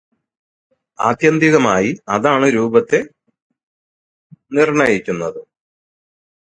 ആത്യന്തികമായി അതാണ് രൂപത്തെ നിർണയിക്കുന്നത്.